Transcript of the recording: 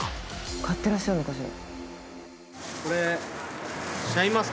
買ってらっしゃるのかしら？